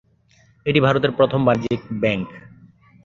এটি ভারতের প্রথম বাণিজ্যিক ব্যাঙ্ক।